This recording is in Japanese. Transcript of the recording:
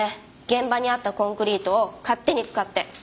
現場にあったコンクリートを勝手に使って。